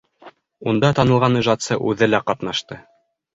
Унда танылған ижадсы үҙе лә ҡатнашты.